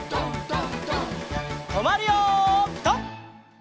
とまるよピタ！